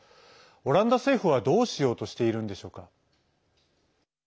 オランダ政府は、どうしようとしているのでしょうか。